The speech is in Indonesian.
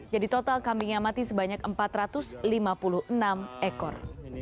jadi total kambing yang mati sebanyak empat ratus lima puluh enam ekor